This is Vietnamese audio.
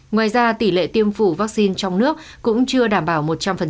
ngoài ra tỷ lệ tiêm chủng vaccine trong nước cũng chưa đảm bảo một trăm linh